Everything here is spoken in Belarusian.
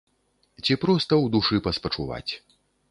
Ці проста ў душы паспачуваць.